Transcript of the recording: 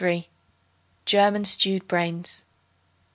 German Stewed Brains.